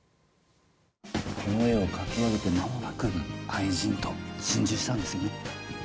この絵を描き上げて、まもなく愛人と心中したんですよね。